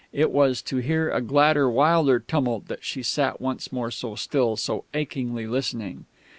It was to hear a gladder, wilder tumult that she sat once more so still, so achingly listening....